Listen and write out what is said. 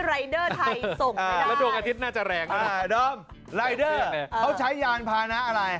รายเดอร์ไทยส่งไปแล้วดวงอาทิตย์น่าจะแรงนะดอมรายเดอร์เขาใช้ยานพานะอะไร